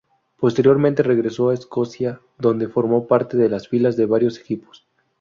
Posteriormente, regresó a Escocia, donde formó parte de las filas de varios equipos.